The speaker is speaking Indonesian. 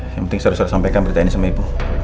yang penting saya harus sampaikan berita ini sama ibu